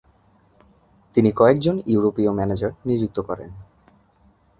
তিনি কয়েকজন ইউরোপীয় ম্যানেজার নিযুক্ত করেন।